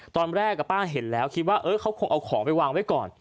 ตอนแรกป้าเห็นแล้วคิดว่าเขาคงเอาของไปวางไว้ก่อน